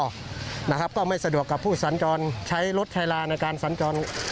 ก็ไม่สะดวกกับผู้สัญจรใช้รถชายลาในการสัญจร